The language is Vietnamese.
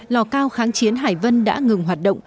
lò cao kháng chiến hải vân đã ngừng hoạt động